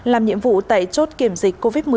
làm nhiệm vụ tại chốt kiểm dịch covid một mươi chín